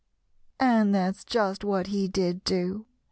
"And that's just what he did do.